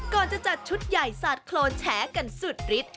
จะจัดชุดใหญ่สาดโครนแฉกันสุดฤทธิ